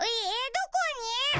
どこに？